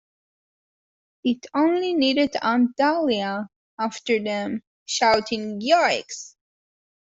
It only needed Aunt Dahlia after them, shouting "Yoicks!"